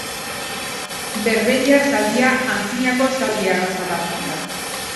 Berberiar zaldia antzinako zaldi arraza bat da.